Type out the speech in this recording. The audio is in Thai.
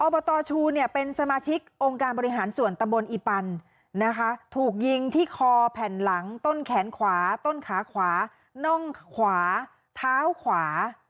บตชูเนี่ยเป็นสมาชิกองค์การบริหารส่วนตำบลอีปันนะคะถูกยิงที่คอแผ่นหลังต้นแขนขวาต้นขาขวาน่องขวาเท้าขวา